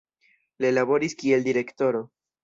Li laboris kiel direktoro.